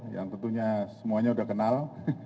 yang tentunya semuanya sudah kenal